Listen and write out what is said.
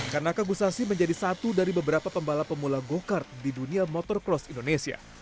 kanaka gusasi menjadi satu dari beberapa pembalap pemula go kart di dunia motorcross indonesia